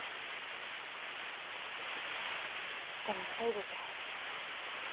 でも信じて。